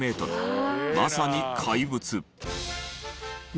まさに怪物。